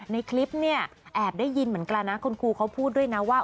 ในคลิปเนี่ยแอบได้ยินเหมือนกันนะคุณครูเขาพูดด้วยนะว่า